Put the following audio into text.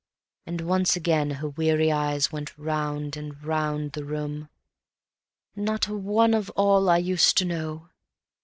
And once again her weary eyes went round and round the room; "Not one of all I used to know